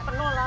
ini penuh lah